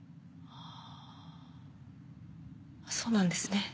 はぁそうなんですね。